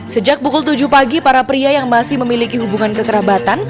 sejak pukul tujuh pagi para pria yang masih memiliki hubungan kekerabatan